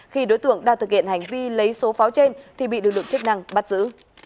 khi đối tượng đang thực hiện hành vi lấy số pháo trên thì bị lực lượng chức năng bắt giữ